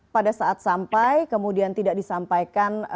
pada saat sampai kemudian tidak disampaikan